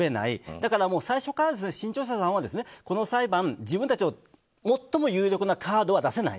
だから、最初から新潮社さんは、この裁判自分たちの最も有力なカードは出せない。